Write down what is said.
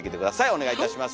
お願いいたします。